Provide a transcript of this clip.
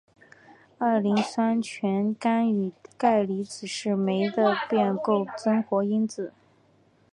二磷酸腺苷与钙离子是酶的变构增活因子。